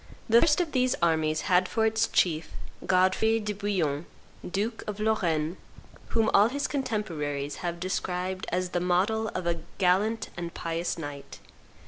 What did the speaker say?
The first of these armies had for its chief, Godfrey de Bouillon, duke of Lorraine, whom all his contemporaries have described as the model of a gallant and pious knight.